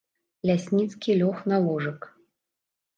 Лясніцкі лёг на ложак.